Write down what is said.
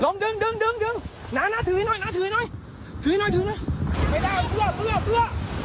ไม่ได้เอาเสื้อเสื้อเสื้อ